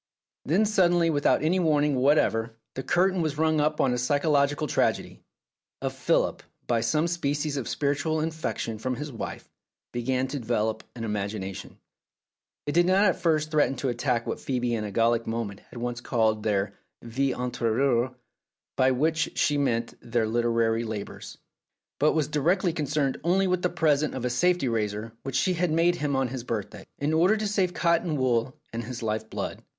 Then suddenly without any warning whatever the curtain was rung up on a psychological tragedy; for Philip, by some species of spiritual infection from his wife, began to develop an imagination. It did not at first threaten to attack what Phcebe in a Gallic moment had once called their "vie interipAire," by which she meant their literary labours, but was directly con cerned only with the present of a safety razor which she had made him on his birthday, in order to save cotton wool and his life blood.